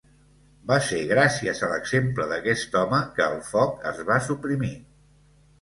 Va ser gràcies a l'exemple d'aquest home que el foc es va suprimir.